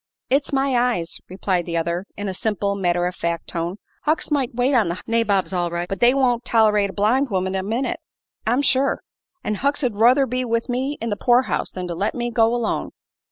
"It's my eyes," replied the other, in a simple, matter of fact tone. "Hucks might wait on the nabobs all right, but they won't tol'rate a blind woman a minute, I'm sure. An' Hucks 'd ruther be with me in the poor house than to let me go alone."